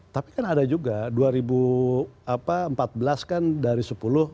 tapi kan ada juga dua ribu empat belas kan dari sepuluh ke dua ribu sembilan belas